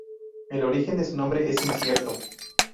El origen de su nombre es incierto.